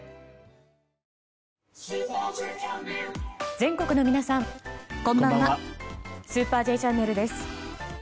全国の皆さん、こんばんは「スーパーＪチャンネル」です。